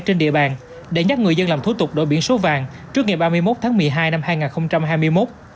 trên địa bàn để nhắc người dân làm thủ tục đổi biển số vàng trước ngày ba mươi một tháng một mươi hai năm hai nghìn hai mươi một